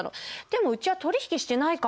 でもうちは取引してないから。